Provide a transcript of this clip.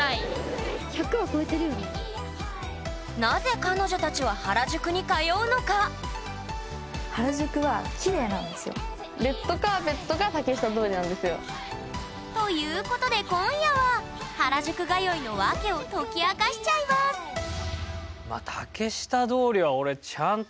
なぜ彼女たちは原宿に通うのか？ということで今夜は原宿通いのわけを解き明かしちゃいますウソ！